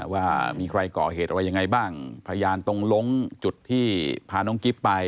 ว่ามีใครก่อเหตุอะไรยังไงบ้างพยานตรงล้งจุดที่พาน้องกิ๊บไป